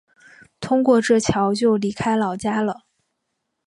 通过这桥就离开老家了